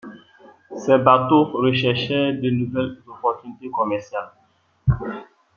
Ces bateaux recherchaient de nouvelles opportunités commerciales.